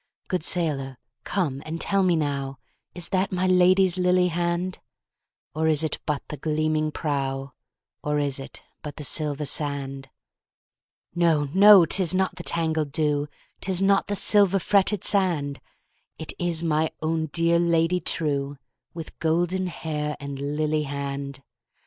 Good sailor come and tell me nowIs that my Lady's lily hand? Or is it but the gleaming prow, Or is it but the silver sand? No! no! 'tis not the tangled dew,'Tis not the silver fretted sand, It is my own dear Lady trueWith golden hair and lily hand!